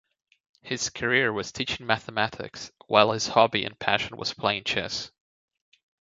His career was teaching mathematics, while his hobby and passion was playing chess.